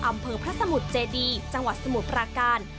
อำเภอพระสมุทรเจดีจังหวัดสมุทรปราการ